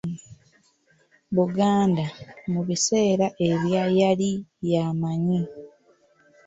Buganda, mu biseera ebya yali yamanyi.